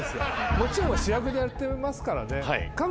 もちろん主役でやってますから。